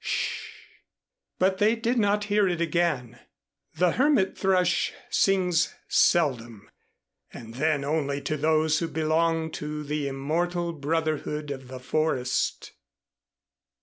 "Sh " But they did not hear it again. The hermit thrush, sings seldom and then only to those who belong to the Immortal Brotherhood of the Forest.